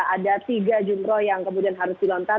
ada tiga jumroh yang kemudian harus dilontar